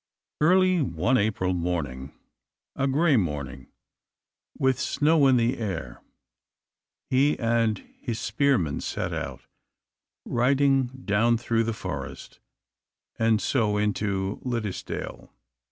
Early one April morning, a grey morning, with snow in the air, he and his spearmen set out, riding down through the Forest, and so into Liddes dale.